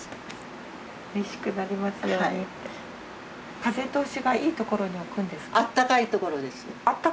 風通しがいい所に置くんですか？